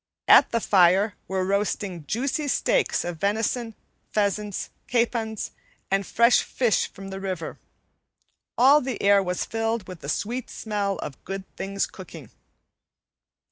At the fire were roasting juicy steaks of venison, pheasants, capons, and fresh fish from the river. All the air was filled with the sweet smell of good things cooking.